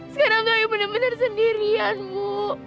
sekarang tuh ayu bener bener sendirian bu